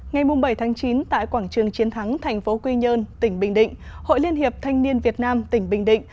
ngày bảy chín tại quảng trường chiến thắng thành phố quy nhơn tỉnh bình định hội liên hiệp thanh niên việt nam tỉnh bình định